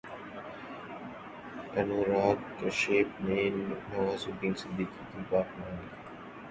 انوراگ کشیپ نے نوازالدین صدیقی کی بات مان لی